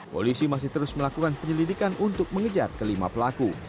polisi masih terus melakukan penyelidikan untuk mengejar kelima pelaku